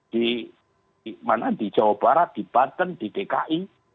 di mana di jawa barat di banten di dki